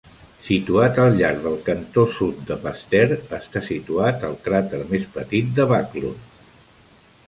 Situat al llarg del cantó sud de Pasteur està situat el crater més petit de Backlund.